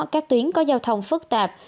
các tuyến có giao thông phức tạp